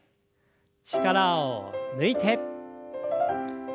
力を抜いて。